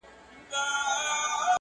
شمعي زما پر اوښکو که پر ځان راسره وژړل!